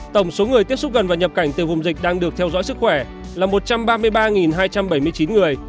tổng số người tiếp xúc gần và nhập cảnh từ vùng dịch đang được theo dõi sức khỏe là một trăm ba mươi ba hai trăm bảy mươi chín người